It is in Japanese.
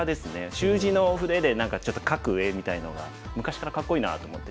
習字の筆で何かちょっと描く絵みたいのが昔からかっこいいなと思ってて。